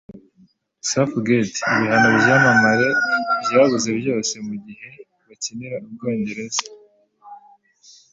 Southgate Ibihano Byamamare Byabuze Byose Mugihe Bakinira Ubwongereza